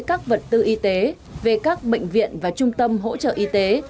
các vật tư y tế về các bệnh viện và trung tâm hỗ trợ y tế